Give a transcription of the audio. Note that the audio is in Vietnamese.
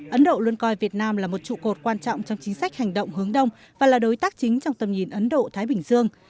ấn độ luôn coi việt nam là một trụ cột quan trọng trong chính sách hành động hướng đông và là đối tác chính trong tầm nhìn ấn độ thái bình dương